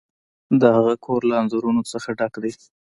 د هغه کور له انځورونو څخه ډک دی.